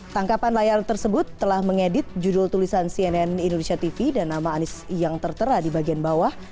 tangkapan layar tersebut telah mengedit judul tulisan cnn indonesia tv dan nama anies yang tertera di bagian bawah